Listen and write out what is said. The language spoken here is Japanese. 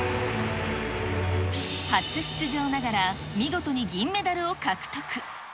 初出場ながら、見事に銀メダルを獲得。